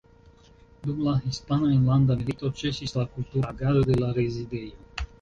Dum la Hispana Enlanda Milito ĉesis la kultura agado de la Rezidejo.